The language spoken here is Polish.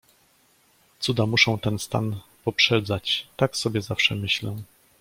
"Cuda muszą ten stan poprzedzać, tak sobie zawsze myślę."